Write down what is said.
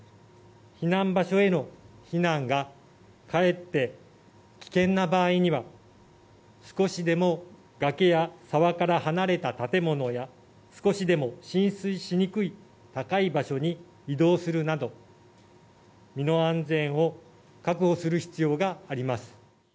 避難場所への避難がかえって危険な場合には、少しでも崖や沢から離れた建物や、少しでも浸水しにくい高い場所に移動するなど、身の安全を確保する必要があります。